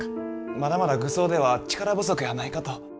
まだまだ愚僧では力不足やないかと。